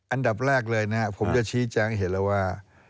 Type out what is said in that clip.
อันดับแรกเลยนะครับผมจะชี้แจงให้เห็นแล้วว่า